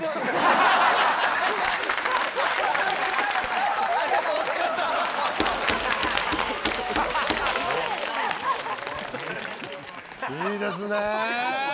いいですねぇ。